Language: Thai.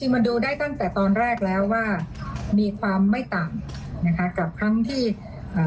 มันดูได้ตั้งแต่ตอนแรกแล้วว่ามีความไม่ต่ำกับโครงมือ